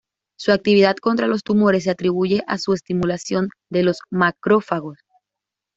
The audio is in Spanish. Su actividad contra los tumores se atribuye a su estimulación de los macrófagos.